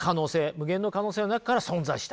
無限の可能性の中から存在した。